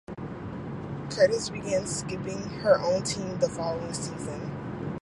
Curtis began skipping her own team the following season.